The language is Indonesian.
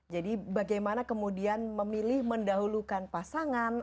jadi bagaimana kemudian memilih mendahulukan pasangan